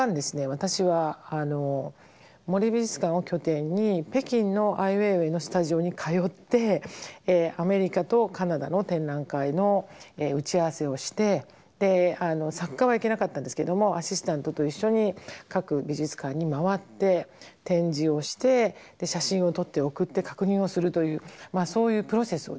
私は森美術館を拠点に北京のアイ・ウェイウェイのスタジオに通ってアメリカとカナダの展覧会の打ち合わせをして作家は行けなかったんですけどもアシスタントと一緒に各美術館に回って展示をして写真を撮って送って確認をするというそういうプロセスをですね